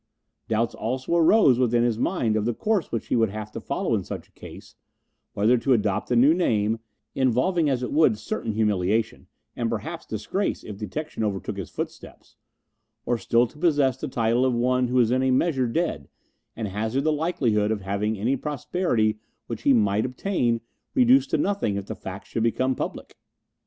Doubts also arose within his mind of the course which he should follow in such a case; whether to adopt a new name, involving as it would certain humiliation and perhaps disgrace if detection overtook his footsteps, or still to possess the title of one who was in a measure dead, and hazard the likelihood of having any prosperity which he might obtain reduced to nothing if the fact should become public.